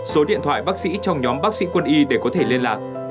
số điện thoại bác sĩ trong nhóm bác sĩ quân y để có thể liên lạc